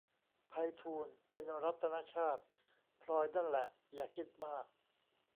ไพฑูรย์ เป็นรัตนชาติ พลอยนั่นแหละ อย่าคิดมาก